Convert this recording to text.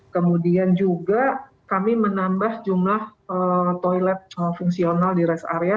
kemudian juga kami menambah jumlah toilet fungsional di rest area